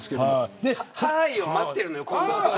はあいを待ってるのよ。